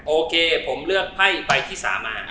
โอเคผมเลือกไพ่ใบที่๓มา